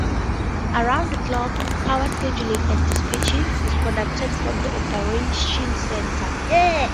Around-the-clock power scheduling and dispatching is conducted from the Operations Center.